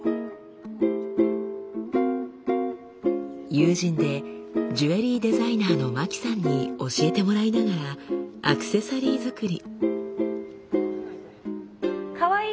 友人でジュエリーデザイナーの真希さんに教えてもらいながらアクセサリー作り。